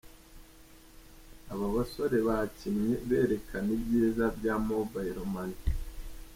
Aba basore bakinnye berekana ibyiza bya Mobile Money.